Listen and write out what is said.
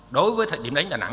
đối với điểm đánh đà nẵng